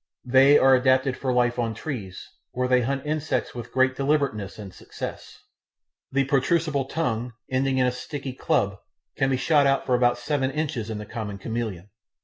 They are adapted for life on trees, where they hunt insects with great deliberateness and success. The protrusible tongue, ending in a sticky club, can be shot out for about seven inches in the common chameleon.